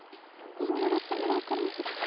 頑張りすぎなくらいですよ。